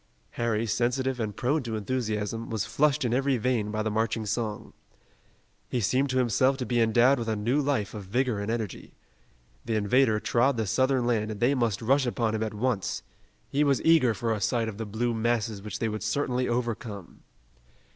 Harry, sensitive and prone to enthusiasm, was flushed in every vein by the marching song. He seemed to himself to be endowed with a new life of vigor and energy. The invader trod the Southern land and they must rush upon him at once. He was eager for a sight of the blue masses which they would certainly overcome.